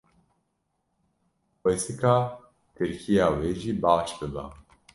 xwesika Tirkiya we jî baş biba.